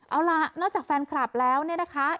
เอาล่ะนอกจากแฟนคลับแล้วเนี่ยนะคะ